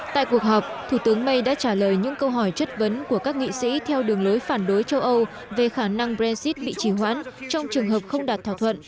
tại cuộc họp thủ tướng may đã trả lời những câu hỏi chất vấn của các nghị sĩ theo đường lối phản đối châu âu về khả năng brexit bị trì hoãn trong trường hợp không đạt thỏa thuận